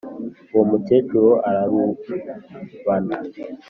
uwo mukecuru ararubana,